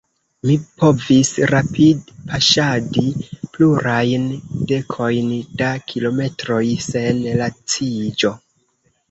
Mi povis rapid-paŝadi plurajn dekojn da kilometroj sen laciĝo.